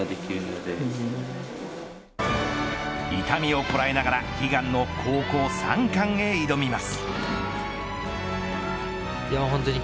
痛みをこらえながら悲願の高校３冠へ挑みます。